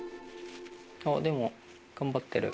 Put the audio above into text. あっでも頑張ってる。